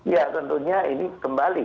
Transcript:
ya tentunya ini kembali